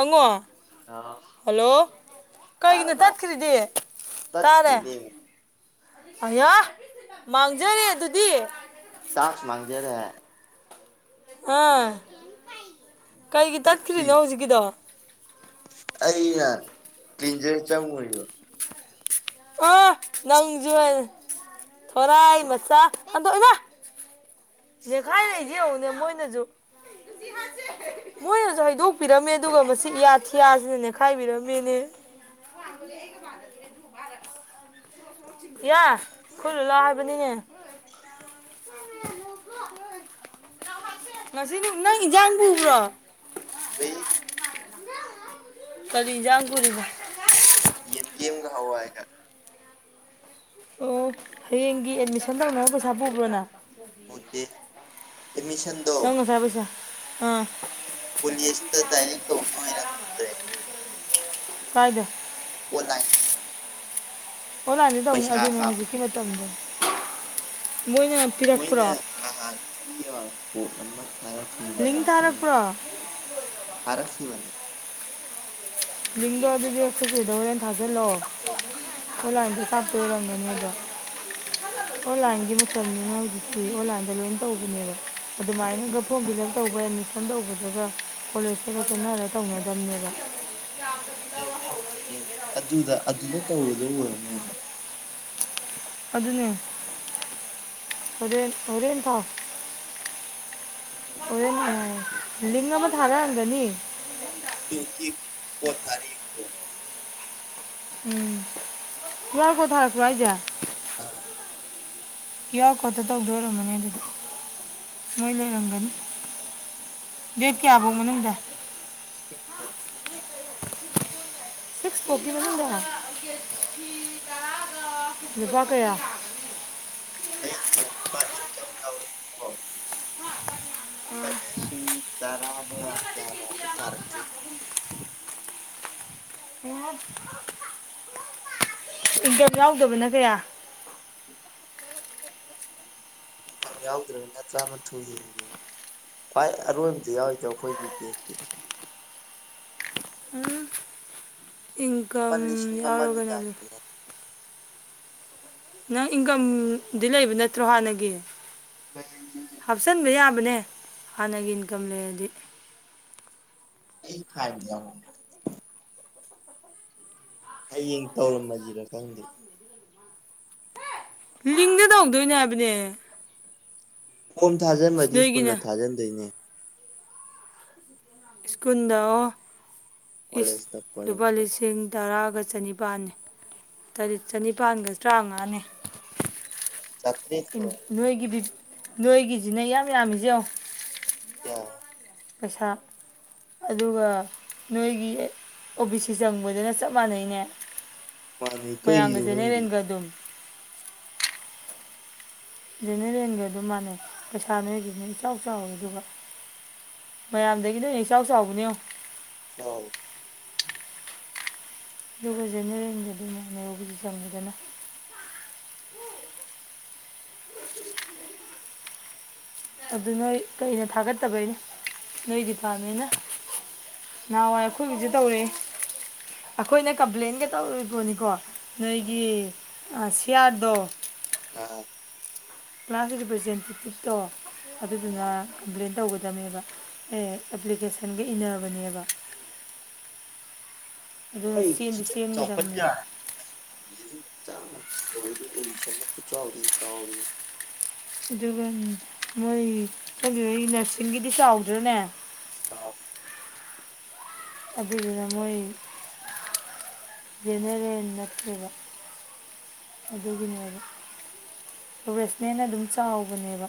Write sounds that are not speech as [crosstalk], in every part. ꯑꯉꯣ ꯑ ꯍꯜꯂꯣ ꯀꯩꯒꯤꯅꯣ ꯇꯥꯔꯕ ꯇꯠꯈ꯭ꯔꯤꯗꯤ ꯇꯥꯔꯦ ꯇꯠꯈ꯭ꯔꯤꯅꯦ ꯑꯌꯥ ꯃꯥꯡꯖꯔꯦ ꯑꯗꯨꯗꯤ ꯇꯥꯛꯁ ꯃꯥꯥꯡꯖꯔꯦ ꯑꯥ ꯀꯩꯒꯤ ꯇꯠꯈ꯭ꯔꯤꯅꯣ ꯍꯧꯖꯤꯛꯀꯤꯗꯣ ꯑꯩꯩꯅ ꯇꯤꯟꯗꯔ ꯆꯡꯉꯨꯔꯤꯕ ꯑ ꯅꯪꯁꯨ ꯊꯣꯔꯥꯏ ꯃꯆꯥ ꯍꯟꯗꯣꯛꯑꯣ ꯏꯃꯥ ꯅꯦꯈꯥꯏ ꯂꯩꯁꯤ ꯍꯧꯅꯦ ꯃꯣꯏꯅꯁꯨ ꯃꯣꯏꯅꯁꯨ ꯍꯩꯗꯣꯛꯄꯤꯔꯝꯃꯦ ꯑꯗꯨꯒ ꯃꯁꯤ ꯏꯌꯥꯊꯤꯌꯥꯁꯤꯅ ꯅꯦꯠꯈꯥꯏꯕꯤꯔꯝꯃꯦꯅꯦ ꯃꯥ ꯌꯥ ꯈꯨꯜꯂꯨꯂꯥꯎ ꯍꯥꯏꯕꯅꯤꯅꯦ ꯎꯝ ꯉꯁꯤ ꯅꯪ ꯏꯟꯖꯥꯟ ꯄꯨꯕ꯭ꯔꯣ ꯄꯨꯏ ꯀꯔꯤ ꯏꯟꯖꯥꯡ ꯄꯨꯔꯤꯕ ꯌꯦꯟꯗꯤꯦꯝꯒꯋꯥꯑ ꯀ ꯑꯣ ꯍꯌꯦꯡꯒꯤ ꯑꯦꯠꯃꯤꯁꯟ ꯇꯧꯅꯕ ꯄꯩꯁꯥ ꯄꯨꯕ꯭ꯔꯣꯅ ꯎꯆꯦ ꯑꯦꯠꯃꯁꯟꯗ ꯅꯪ ꯉꯁꯥꯏ ꯄꯩꯁꯥ ꯑꯥ ꯀꯂꯁ ꯇꯩꯅ ꯇꯧꯗꯨ ꯍꯥꯏꯅꯗ꯭ꯔꯦ ꯀꯥꯏꯗ ꯏ ꯑꯣꯂꯥꯟꯗꯤ ꯇꯧꯅ ꯑꯗꯨꯅꯦ ꯍꯧꯖꯤꯛꯀꯤ ꯀꯥꯞꯄꯗ ꯃꯇꯝꯗꯣ ꯃꯣꯏꯅ ꯉꯍꯥꯟ ꯊꯤꯕ ꯄꯣꯠ ꯑꯃ ꯇꯔꯛ ꯂꯤꯡ ꯊꯥꯔꯛꯄ꯭ꯔꯣ ꯐꯔꯛꯀꯤꯕꯅꯦ ꯃꯤꯡꯗꯣ ꯑꯗꯨꯗꯤꯊ ꯀꯗꯧꯣꯔꯦꯅ ꯊꯥꯖꯤꯜꯂꯣ ꯍꯂ ꯍꯥꯏꯗꯤ ꯀꯥꯞꯇꯔꯝꯗꯅꯤ ꯑꯗꯣ ꯑꯣꯟꯂꯥꯏꯟꯒꯤ ꯃꯇꯝꯅꯤ ꯍꯧꯖꯤꯛꯇꯤ ꯑꯣꯟꯂꯥꯏꯟꯗ ꯂꯣꯏ ꯇꯧꯕꯅꯦꯕ ꯑꯗꯨꯃꯥꯏꯅꯒ ꯐꯣꯝ ꯐꯤꯜꯞ ꯇꯧꯕ ꯑꯦꯠꯃꯤꯁꯟ ꯇꯧꯕꯗꯨꯒ ꯀꯣꯂꯦꯖꯇꯒ ꯆꯦꯠꯟꯅꯔꯒ ꯇꯧꯅꯗꯝꯕꯅꯦꯕ ꯇꯗ ꯑꯗꯨꯅꯦ ꯑꯣꯔꯦꯟ ꯑꯣꯣꯔꯦꯟꯇꯥꯎ ꯆꯂꯥꯏ ꯊꯥꯔꯥ ꯍꯗꯅꯤ ꯇꯨꯀꯤ ꯀꯣꯊꯔꯤ ꯀꯣ ꯎꯝ ꯇꯔ ꯀꯊꯁꯨ ꯑꯩꯖ ꯑ ꯌꯥꯎ ꯈꯣꯠꯇ ꯇꯧꯗ ꯑꯣꯏꯔꯃꯅꯦ ꯑꯗꯨꯗꯤ ꯅꯣꯏ ꯂꯩꯔꯝꯒꯅꯤ ꯗꯦꯠ ꯀꯌꯥ ꯐꯧ ꯃꯅꯨꯡꯗ [unintelligible] ꯁꯤꯛꯁ ꯐꯀꯤ ꯃꯅꯗ ꯅꯨꯄꯥ ꯀꯌꯥ ꯑꯩ ꯏꯀꯝꯔ ꯂꯨꯄꯥ ꯂꯤꯁꯤꯡ ꯇꯔꯥꯅ ꯀꯌꯥꯅꯣ ꯑꯩ ꯊꯥꯔꯛꯀꯦ ꯑꯣ ꯏꯟꯀꯝ ꯌꯥꯎꯗꯕꯅ ꯀꯌꯥ ꯏꯟꯐꯝꯝ ꯌꯥꯎꯗ꯭ꯔꯅ ꯇ꯭ꯔꯥꯃꯥꯊꯣꯏ ꯍꯦꯟꯒꯦꯕ ꯈꯋꯥꯏ ꯑꯔꯣꯏꯕꯗꯤ ꯌꯥꯎꯋꯗ ꯑꯩꯈꯣꯏꯒꯤꯗꯤ ꯂꯨꯄꯥ ꯏꯟꯀꯝ ꯂꯤꯁꯤꯡ ꯑꯃꯒꯤ ꯌꯥꯎꯔꯒꯅꯂ ꯆꯥꯡꯗꯅꯦ ꯅꯪ ꯏꯟꯀꯝꯗꯤ ꯂꯩꯕ ꯅꯠꯇ꯭ꯔꯣ ꯍꯥꯟꯅꯒꯤ ꯍꯥꯞꯁꯟ ꯃꯌꯥꯝꯕꯅꯦ ꯍꯅꯒꯤ ꯏꯟꯀꯝ ꯂꯩꯗꯤ ꯑꯩ ꯈꯥꯏꯕꯤ ꯍꯌꯦꯡ ꯇꯧꯔꯝꯃꯁꯤꯔ ꯈꯪꯗꯦ ꯂꯤꯡꯗ ꯇꯧꯍꯧꯗꯣꯏꯅꯦ ꯍꯥꯏꯕꯅꯦ ꯀꯣꯝ ꯏꯁ ꯊꯥꯖꯤꯟꯕꯗꯤ ꯁ ꯄꯨꯨꯟꯅ ꯅꯣꯏꯒꯤꯅ ꯊꯥꯖꯤꯟꯗꯣꯏꯅꯦ ꯁ꯭ꯀꯨꯜꯗ ꯀꯣꯂꯦꯖꯇ ꯂꯨꯄꯥ ꯀꯣꯂꯦꯖꯇ ꯂꯤꯁꯤꯡ ꯇꯔꯥ ꯒ ꯆꯅꯤꯄꯥꯜꯅꯤ ꯇꯔꯦꯠ ꯆꯅꯤꯄꯥꯜꯒ ꯇꯔꯥꯃꯉꯥꯅꯦ ꯆꯥꯇ꯭ꯔꯦꯠꯀꯤ ꯑꯣꯏꯔꯝꯅꯤ ꯅꯣꯏꯒꯤꯗꯤ ꯅꯣꯏꯒꯤꯁꯤꯅ ꯌꯥꯝ ꯌꯥꯝꯃꯤꯁꯦ ꯑꯣ ꯌꯥ ꯄꯩꯁꯥ ꯑꯗꯨꯒ ꯅꯣꯏꯒꯤ ꯑꯣ ꯕꯤ ꯁꯤ ꯆꯪꯕꯗꯅ ꯆꯞ ꯃꯥꯟꯅꯩꯅꯦ ꯃꯥꯅꯦ ꯀꯩꯒꯤꯅꯣ ꯈꯪꯗꯦ ꯃꯌꯥꯒꯁꯅꯦꯔꯦꯟꯒ ꯑꯗꯨꯝ ꯖꯦꯅꯦꯔꯦꯜꯒ ꯑꯗꯨ ꯃꯥꯟꯅꯩ ꯄꯩꯁꯥ ꯅꯣꯏꯒꯤꯅꯤ ꯏꯆꯥꯎ ꯆꯥꯎꯋꯦ ꯑꯗꯨꯒ ꯃꯌꯥꯝꯗꯒꯤꯅꯦ ꯏꯆꯥꯎ ꯆꯥꯎꯕꯅꯦꯣ ꯑ ꯑꯗꯨꯒ ꯖꯦꯅꯦꯔꯦꯜꯗ ꯑꯗꯨ ꯃꯅ ꯌꯕꯗꯤ ꯆꯪꯉꯗꯅ [unintelligible] [unintelligible] ꯑꯗꯨ ꯅꯣꯏ ꯀꯩꯅ ꯊꯥꯒꯠꯇꯕꯩꯅꯤ ꯅꯣꯏ ꯗꯤꯄꯥꯔꯠꯃꯦꯟꯅ ꯅꯍꯥꯟꯋꯥꯏ ꯑꯩꯈꯣꯏꯒꯤꯁꯨ ꯇꯧꯔꯛꯑꯦ ꯑꯩꯈꯣꯏꯅ ꯀꯝꯄ꯭ꯂꯦꯟꯒ ꯇꯧꯔꯤ ꯄꯣꯠꯅꯤꯀꯣ ꯅꯣꯏꯒꯤ ꯁꯤ ꯌꯥꯔꯗꯣ ꯑꯥ ꯀ꯭ꯂꯥꯁ ꯔꯤꯄ꯭ꯔꯖꯦꯟꯇꯦꯇꯤꯞꯇꯣ ꯑꯗꯨꯗꯨꯅ ꯀꯝꯄ꯭ꯂꯦꯟ ꯇꯧꯒꯗ ꯗꯃꯦꯕ ꯑꯦ ꯑꯦꯄ꯭ꯂꯤꯀꯦꯁꯟꯒ ꯏꯟꯅꯕꯅꯦꯕ ꯑꯗꯨꯅ ꯍꯩ ꯆꯦꯟꯗꯤ ꯆꯧꯈꯠ ꯆꯦꯟꯒꯗꯕꯅꯦ ꯌꯥꯔꯦ [unintelligible] ꯑꯦꯠꯃꯤꯁꯟ ꯅ ꯈꯨꯆꯥꯎꯗꯤ ꯑꯗꯨꯒ ꯃꯣꯏ [unintelligible] ꯅꯔꯁꯤꯡꯒꯤꯗꯤ ꯆꯥꯎꯗ꯭ꯔꯣꯅꯦ ꯑꯧ ꯑꯗꯨꯗꯨꯅ ꯃꯣꯏ ꯖꯦꯅꯦꯔꯦꯟ ꯅꯠꯇꯦꯕ ꯑꯗꯨꯒꯤꯅꯦꯕ ꯔꯦꯁꯦꯜꯅ ꯑꯗꯨꯝ ꯆꯥꯎꯕꯅꯦꯕ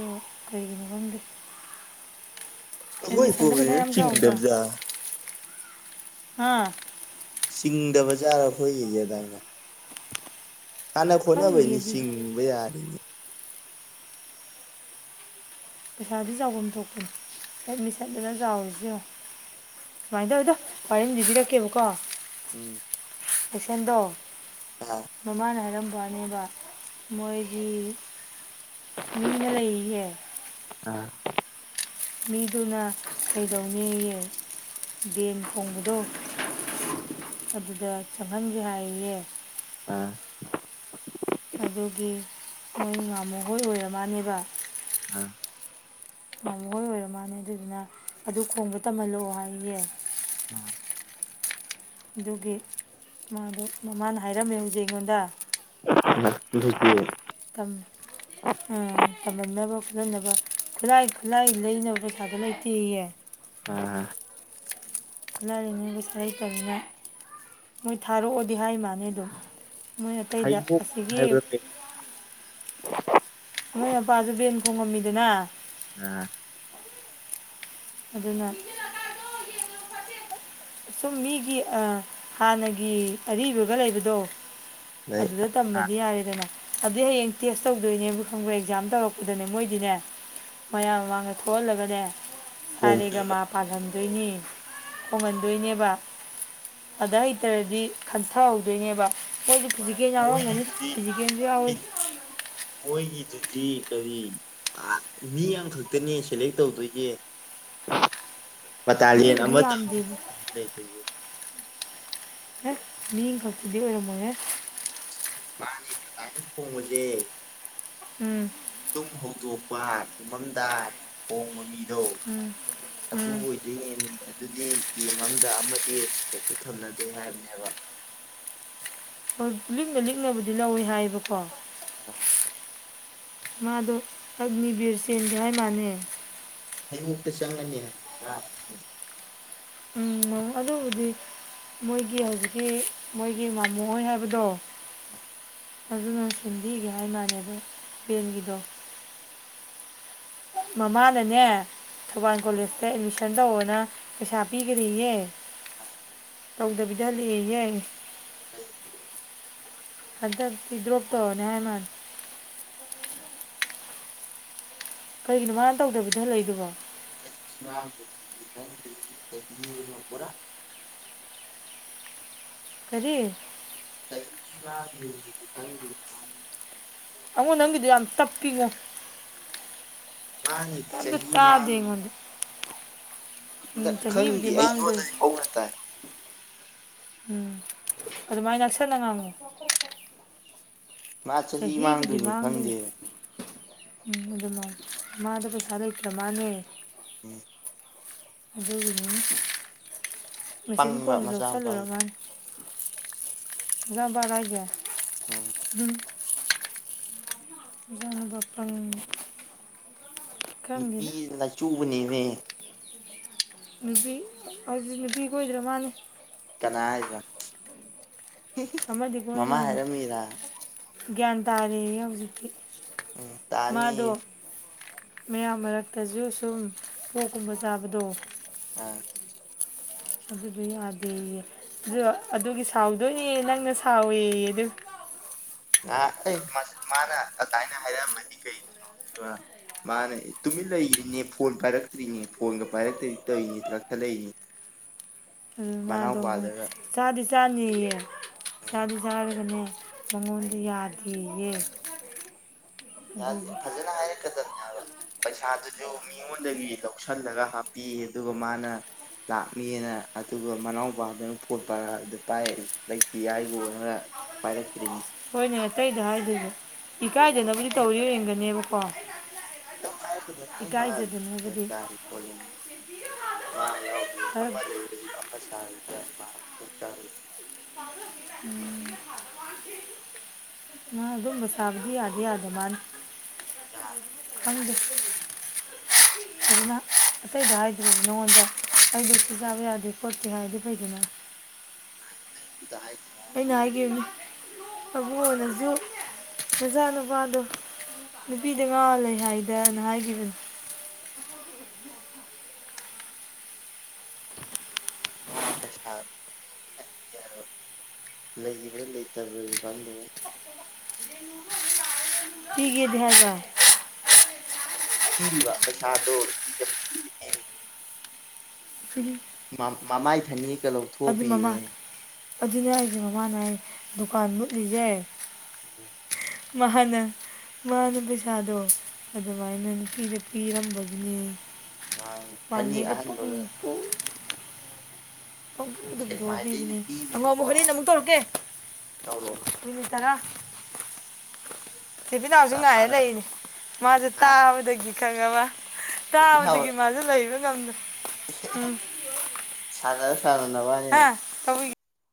ꯑꯥ ꯀꯩꯒꯤꯅꯣ ꯉꯪꯗꯦ ꯑꯩꯈꯣꯏ ꯑꯦꯠꯃꯤꯁꯟꯗ ꯄꯩꯁꯥ ꯄ꯭ꯔꯣꯕ꯭ꯂꯦꯝ ꯌꯥꯝ ꯆꯥꯎꯗꯔꯥ ꯆꯤꯡꯗꯕꯖꯥ ꯍꯥ ꯆꯤꯡꯗꯕꯖꯥꯔ ꯑꯩꯈꯣꯏꯒꯤꯁꯦ ꯑꯗꯥꯏꯅ ꯁꯥꯟꯅ ꯈꯪꯗꯦ ꯈꯣꯠꯅꯕꯩꯅꯤ ꯑꯗꯨꯗꯤ ꯆꯁꯤꯡꯕ ꯌꯥꯔꯤꯅꯤ ꯄꯩꯁꯥꯗꯤ ꯆꯥꯎꯐꯝ ꯊꯣꯛꯄꯅꯤ ꯑꯦꯠꯃꯤꯁꯟꯗ ꯆꯥꯎꯔꯤꯁꯦ ꯌꯦꯡꯉꯣ ꯁꯨꯃꯥꯏꯅ ꯇꯧꯔꯤꯗꯣ ꯇꯨ ꯋꯥꯔꯤ ꯑꯝ ꯂꯤꯕꯤꯔꯛꯀꯦꯕꯀꯣ ꯎꯝ ꯄꯩꯁꯦꯟꯗꯣ ꯑꯥ ꯃꯃꯥꯅ ꯍꯥꯏꯔꯝꯕ ꯋꯥꯅꯦ ꯅꯦꯕ ꯃꯣꯏꯒꯤ ꯃꯤ ꯑꯃ ꯂꯩꯔꯤꯌꯦ ꯑꯥ ꯃꯤꯗꯨꯅ ꯀꯩꯗꯧꯅꯦꯌꯦ ꯕꯦꯟ ꯈꯣꯡꯕꯗꯣ ꯑꯗꯨꯗ ꯆꯪꯍꯟꯒꯦ ꯍꯥꯏꯌꯦꯌꯦ ꯑ ꯑꯗꯨꯒꯤ ꯃꯣꯏ ꯉꯥꯃꯨꯍꯣꯏ ꯑꯣꯏꯔꯃꯅꯦꯕ ꯃꯥꯃꯣ ꯍꯣꯏ ꯑꯣꯏꯔ ꯃꯥꯜꯅꯤ ꯑꯗꯨꯗꯨꯅ ꯑꯗꯨ ꯈꯣꯡꯕ ꯇꯝꯍꯜꯂꯑꯣ ꯍꯥꯏꯌꯦꯌꯦ ꯑꯥ ꯑꯗꯨꯒꯤ ꯃꯥꯗꯣ ꯃꯃꯥꯅ ꯍꯥꯏꯔꯝꯃꯦ ꯍꯧꯖꯤꯛ ꯑꯩꯉꯣꯟꯗ [unintelligible] ꯎꯝ ꯑꯣ ꯇꯝꯍꯟꯅꯕ ꯈꯣꯠꯍꯟꯅꯕ ꯈꯨꯠꯂꯥꯏ ꯈꯨꯠꯂꯥꯏ ꯂꯩꯅꯕ ꯄꯩꯁꯥꯗ ꯂꯩꯇꯦꯌꯦ ꯈꯨꯂꯥꯏ ꯂꯩꯅꯕ ꯄꯩꯁꯥꯗꯣ ꯂꯩꯇꯔꯃꯤꯅ ꯃꯣꯏ ꯊꯥꯔꯛꯑꯣꯗꯤ ꯍꯥꯏ ꯃꯥꯅꯦ ꯑꯗꯨꯝ ꯃꯣꯏ ꯑꯇꯩꯗ ꯍꯩꯉꯣꯛ ꯑꯁꯤꯒꯤ ꯍꯥꯏꯕ꯭ꯔꯥ ꯀꯩꯅꯣ ꯅꯣꯏ ꯃꯄꯥꯁꯨ ꯕꯦꯟ ꯈꯣꯡꯉꯝꯃꯤꯗꯅ ꯑꯥ ꯑꯗꯨꯅ ꯁꯨꯝ ꯃꯤꯒꯤ ꯍꯥꯟꯅꯒꯤ ꯑꯔꯤꯕꯒ ꯂꯩꯕꯗꯣ ꯑꯗꯩ ꯑꯗꯨꯗ ꯑꯥ ꯇꯝꯃꯗꯤ ꯌꯥꯔꯦꯗꯅ ꯑꯗꯨꯗꯤ ꯍꯌꯦꯡ ꯇꯦꯁ ꯇꯧꯗꯣꯏꯅꯦꯕꯨ ꯈꯪꯕ꯭ꯔ ꯑꯦꯛꯖꯥꯝ ꯇꯧꯔꯛꯄꯗꯅꯦ ꯃꯣꯏꯗꯤ ꯅꯦ ꯃꯌꯥꯝ ꯃꯥꯡꯗ ꯊꯣꯛꯍꯜꯂꯒꯅꯦ ꯁꯥ ꯈꯣꯡ ꯔꯦ ꯒꯥ ꯃꯥ ꯄꯥꯜꯍꯟꯗꯣꯏꯅꯤ ꯍꯣꯡꯍꯟꯗꯣꯏꯅꯦꯕ ꯑꯗꯥ ꯍꯩꯇꯔꯗꯤ ꯈꯟꯊꯍꯧꯗꯣꯏꯅꯦꯕ ꯃꯣꯏꯁꯨ ꯐꯤꯖꯤꯀꯦꯜ ꯌꯥꯎꯔꯝꯒꯅꯤ ꯃꯣꯏꯒꯤꯗꯨꯗꯤ ꯐꯤꯖꯤꯀꯦꯜꯁꯨ [unintelligible] ꯑꯩꯈꯣꯏꯒꯤꯗꯨꯗꯤ ꯀꯔꯤ ꯃꯤ ꯌꯥꯝ ꯈꯛꯇꯅꯦ ꯁꯦꯂꯦꯛ ꯇꯧꯗꯣꯏꯖꯦ ꯃꯤꯕꯨꯗꯤ ꯑꯃꯗ ꯌꯥꯝꯗꯦ ꯑꯃꯈꯛꯇꯅꯦ ꯂꯩꯗꯣꯏꯁꯦ ꯍꯦ ꯃꯤ ꯑꯃ ꯈꯛꯗꯤ ꯑꯣꯏꯔꯃꯣꯢꯍꯦ ꯈꯣꯡꯕꯖꯦ ꯎꯝ ꯇꯨꯝ ꯍꯧꯗꯣꯛꯄ ꯇꯨꯝꯃꯝꯗꯥꯏ ꯈꯣꯡꯕ ꯃꯤ ꯖꯣ ꯎꯝ ꯑꯗꯨ ꯎꯝ ꯑꯣꯏꯗꯣꯏꯅꯦꯃꯤ ꯑꯗꯨꯗꯤ ꯀꯦꯝ ꯑꯝꯗ ꯑꯃꯗꯤ ꯀꯩꯁꯨ ꯊꯝꯅꯗꯦ ꯍꯥꯏꯕꯅꯦꯕ ꯍꯣꯏ ꯂꯤꯛꯅ ꯂꯤꯛꯅꯕꯨꯗꯤ ꯂꯧꯋꯦ ꯍꯥꯏꯕꯅꯦꯕꯀꯣ ꯑ ꯃꯥꯗꯣ ꯑꯒꯅꯤꯕꯤꯔ ꯆꯦꯟꯒꯦ ꯍꯥꯏ ꯃꯥꯟꯅꯦ ꯍꯩꯔꯣꯛꯇ ꯆꯪꯒꯅꯤ ꯍꯥꯏꯕꯅꯦ ꯃꯥ ꯍꯥꯏꯔꯝꯃꯤꯅꯦ ꯎꯝ ꯑꯗꯨꯕꯨꯗꯤ ꯃꯣꯏꯒꯤ ꯍꯧꯖꯤꯛꯀꯤ ꯃꯣꯏꯒꯤ ꯃꯃꯣꯍꯣꯏ ꯍꯥꯏꯕꯗꯣ ꯑ ꯑꯗꯨꯅ ꯁꯦꯝꯕꯤꯒꯦ ꯍꯥꯏ ꯃꯥꯥꯟꯅꯦꯗꯣ ꯄ꯭ꯔꯦꯒꯤꯗꯣ ꯃꯃꯥꯅꯅꯦ ꯊꯧꯕꯥꯜ ꯀꯣꯂꯦꯖꯇ ꯑꯦꯠꯃꯤꯁꯟ ꯁꯟ ꯇꯧꯋꯣꯅ ꯄꯩꯁꯥ ꯄꯤꯒ꯭ꯔꯦꯌꯦ ꯇꯧꯗꯕꯤꯗ ꯍꯜꯂꯛꯑꯦꯌꯦ ꯎꯝ ꯍꯟꯗꯛ ꯗ꯭ꯔꯣꯕ ꯇꯧꯔꯅꯤ ꯍꯥꯏꯃꯥꯟꯅꯦ ꯀꯩꯒꯤꯅꯣ ꯃꯥꯅ ꯇꯧꯗꯕꯤꯗꯤ ꯍꯜꯂꯛꯏꯗꯨꯕꯣ [unintelligible] ꯄꯨꯔꯥ ꯀꯔꯤ [unintelligible] ꯈꯪꯗꯦꯕ ꯃꯥꯒꯤ ꯑꯉꯣ ꯅꯪꯒꯤꯗꯤ ꯌꯥꯝ ꯇꯞꯄꯤꯉꯣ ꯃꯥꯅꯗꯤ ꯑꯝꯇ ꯆꯍꯤ ꯇꯥꯗꯦ ꯃꯥꯡꯂꯨ ꯑꯩꯉꯣꯟꯗ ꯎꯝ ꯆꯍꯤꯕꯨꯗꯤ ꯃꯥꯡꯗꯦ ꯑꯩꯉꯣꯟꯗꯗꯤ ꯍꯧꯅ ꯇꯥꯏ ꯎꯝ ꯑꯗꯨꯃꯥꯏ ꯅꯛꯁꯟꯅ ꯉꯥꯡꯉꯣ ꯃꯥ ꯆꯍꯤ ꯆꯍꯤꯕꯨꯗꯤ ꯃꯥꯡꯗꯣꯏꯅꯤ ꯃꯥꯡꯗꯦ ꯈꯪꯗꯦ ꯎꯝ ꯑꯗꯨꯃ ꯃꯥꯗꯣ ꯄꯩꯁꯥ ꯂꯩꯇ꯭ꯔꯥ ꯃꯥꯅꯦ ꯎꯝ ꯑꯗꯨꯒꯤꯅꯤ ꯃꯦꯆꯤꯟ ꯄꯪꯕ ꯀꯣꯟꯖꯨ ꯃꯆꯥꯅꯨꯄꯥꯁꯦ ꯂꯧꯁꯤꯜꯂꯨꯔꯒ ꯕꯖꯥꯌꯥꯝ ꯍꯥꯏꯖꯦ ꯎꯝ ꯌꯥꯅꯕꯄꯪ ꯅꯨꯄꯤ ꯂꯥꯏꯆꯨꯕꯅꯦꯃꯤ ꯅꯨꯄꯤ ꯑꯗꯨ ꯅꯨꯄꯤ ꯀꯣꯏꯗ꯭ꯔ ꯃꯥꯟꯅꯦ ꯀꯅꯥ ꯍꯥꯏꯔꯤꯕ ꯑꯃꯗꯤ ꯀꯣꯏ ꯃꯃꯥ ꯃꯥꯜꯂꯦ ꯍꯥꯏꯔꯝꯃꯤꯔꯥ ꯒ꯭ꯌꯥꯟ ꯇꯥꯔꯦꯌꯦ ꯍꯧꯖꯤꯛꯇꯤ ꯎꯝ ꯃꯥꯗꯣ ꯇꯅꯤ ꯃꯌꯥꯝ ꯃꯔꯛꯇꯁꯨ ꯁꯨꯝ ꯄꯣꯛꯀꯨꯝꯕ ꯆꯥꯕꯗꯣ ꯍ ꯑꯗꯨꯗꯣ ꯌꯥꯗꯦꯌꯦ ꯑꯗꯨ ꯑꯗꯨꯒꯤ ꯁꯥꯎꯗꯣꯏꯅꯦ ꯅꯪꯅ ꯁꯥꯎꯋꯦꯌꯦ ꯑꯗꯨ [inaudible] ꯑ ꯑꯩꯈꯣꯏ ꯃꯥꯅ ꯑꯗꯥꯏꯅ ꯍꯥꯏꯔꯛ ꯑꯝꯃꯗꯤ ꯀꯩ ꯁꯥꯎꯗꯣꯏꯕ ꯃꯥꯅ ꯇꯨꯃꯤꯟ ꯂꯩꯒ꯭ꯔꯤꯅꯦ ꯐꯣꯟ ꯄꯥꯏꯔꯛꯇ꯭ꯔꯤꯅꯦ ꯐꯣꯟꯒ ꯄꯥꯏꯔꯛꯇ ꯇꯧꯔꯤꯅꯦ ꯀꯛꯊꯠꯂꯛꯏꯅꯦ ꯎꯝ ꯃꯥꯗꯣ ꯃꯅꯥꯎꯄꯥꯗꯒ ꯆꯥꯗꯤ ꯆꯥꯅꯤꯌꯦ ꯆꯥꯗꯤ ꯆꯥꯔꯒꯅꯦ ꯃꯉꯣꯟꯗ ꯌꯥꯗꯦꯌꯦ ꯌꯥ ꯑꯗꯨꯒꯤ ꯐꯖꯅ ꯍꯥꯏꯔꯛꯀꯗꯕꯅꯦ ꯍꯥꯏꯕ ꯄꯩꯁꯥꯗꯨꯁꯨ ꯃꯤꯉꯣꯟꯗꯒꯤ ꯂꯧꯁꯤꯜꯂꯒ ꯍꯥꯞꯄꯤ ꯑꯗꯨꯒ ꯃꯥꯅ ꯂꯥꯛꯅꯤꯑꯅ ꯑꯗꯨꯒ ꯃꯅꯥꯎꯄꯥꯗꯨꯅ ꯐꯣꯟ ꯄꯥꯏꯔꯛꯑꯣ ꯍꯥꯏꯕꯗ ꯄꯥꯏ ꯂꯩꯇꯦ ꯍꯥꯏꯒꯣꯅ ꯄꯥꯏꯔꯛꯇ꯭ꯔꯤꯅꯤ ꯍꯣꯏꯅꯦ ꯑꯇꯩꯗ ꯍꯥꯏꯗ꯭ꯔꯥꯁꯨ ꯏꯀꯥꯏꯗꯅꯕꯨꯗꯤ ꯇꯧꯔꯤ ꯑꯣꯏꯔꯝꯒꯅꯤꯕꯀꯣ [unintelligible] ꯃꯥ ꯌꯥꯎ ꯈꯔ ꯑꯃ ꯂꯩꯔꯁꯨ ꯑꯃ ꯆꯥꯔꯁꯨ ꯌꯥꯏ ꯃꯥ ꯃꯥ ꯑꯗꯨꯕ ꯁꯥꯕꯗꯤ ꯌꯥꯗꯤ ꯌꯥꯗ ꯃꯥꯅꯤ ꯌꯥꯏ ꯈꯪꯗꯦ ꯑꯇꯩ ꯏ ꯔꯅꯗ ꯑꯩꯗꯁꯨ ꯆꯥꯕ ꯌꯥꯗꯦ ꯀꯣꯠꯇꯦ ꯍꯥꯏꯔꯗꯤ ꯐꯩꯗꯅ ꯑꯝꯇ ꯍꯥꯏꯗꯦ ꯑꯩꯅ ꯍꯥꯏꯈꯤꯕꯅꯤ ꯊꯕꯨꯡ ꯑꯣꯏꯅꯁꯨ ꯃꯆꯥ ꯅꯨꯄꯥꯗꯣ ꯅꯨꯄꯤꯗ ꯉꯥ ꯂꯩ ꯍꯥꯏꯗꯅ ꯍꯥꯏꯈꯤꯕꯅꯦ ꯃꯥ ꯄꯁ ꯂꯩꯕ꯭ꯔꯥ ꯂꯩꯇꯕ꯭ꯔꯥꯀꯗ ꯀꯒ ꯙꯌꯥꯟꯗ ꯑꯗꯣꯝ ꯄꯤꯔꯤꯕ ꯄꯩꯁꯥꯗꯣꯝ ꯄ ꯄ ꯎ ꯃꯃꯥꯏ ꯊꯅꯤꯦꯛꯀ ꯃꯃꯥ ꯂꯧꯊꯣꯛꯄꯤꯕꯅꯦ ꯑꯗꯨꯅꯦ ꯑꯩꯁꯦ ꯃꯃꯥꯅ ꯑꯩ ꯗꯨꯀꯥꯟ ꯃꯨꯠꯂꯤꯁꯦ ꯎꯝ ꯃꯍꯅ ꯃꯥꯅ ꯄꯩꯁꯥꯗꯣ ꯑꯗꯨꯃꯥꯏꯅ ꯅꯨꯄꯤ ꯄꯤꯔꯝꯕꯒꯤꯅꯦ ꯐꯅꯦꯛ ꯃꯥꯥꯟꯅꯤꯒꯄ ꯑꯍꯟꯕꯒ ꯄꯨꯊꯣꯛꯑꯣ ꯁꯦꯛꯃꯥꯏꯗꯩꯅ ꯄꯤꯕꯤꯅꯦ ꯅꯪꯉꯣ ꯄꯤꯕꯁꯨꯀꯣ ꯑꯃꯨꯛ ꯍꯣꯔꯦꯟ ꯑꯃꯨꯛ ꯇꯧꯔꯛꯀꯦ ꯇꯧꯔꯣ ꯃꯤꯅꯤꯠ ꯇꯔꯥ ꯦꯄꯤꯤꯅꯥꯎꯁꯨ ꯉꯥꯏꯔ ꯐꯥꯔꯕ ꯂꯩꯔꯤꯅꯦ ꯃꯥꯁꯨꯦ ꯇꯥꯕꯗꯒꯤ ꯈꯪꯉꯕ ꯇꯥꯕꯗꯒꯤ ꯃꯥꯁꯨꯦ ꯂꯩꯕ ꯉꯝꯗ꯭ꯔꯦ ꯎꯝ ꯑ ꯁꯅ ꯄꯅꯤꯣ